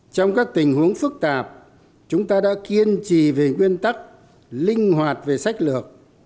trong các tình huống phức tạp chúng ta đã kiên trì về nguyên tắc linh hoạt về sách lược